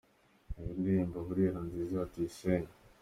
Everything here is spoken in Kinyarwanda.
Reba indirimbo "Burera Nziza" ya Tuyisenge.